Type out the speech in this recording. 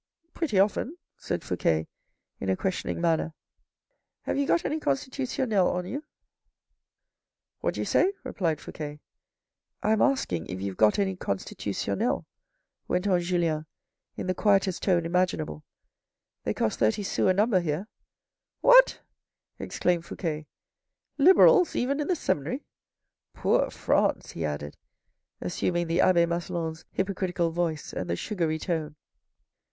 " Pretty often," said Fouque in a questioning manner. " Have you got any Constitutionnels on you ?" 186 THE RED AND THE BLACK " What do you say ?" replied Fouque. " I'm asking if you've got any Constitutionnels ?" went on Julien in the quietest tone imaginable. "They cost thirty sous a number here." " What !" exclaimed Fouque. " Liberals even in the seminary ! Poor France," he added, assuming the abbe Maslon's hypocritical voice and sugary tone.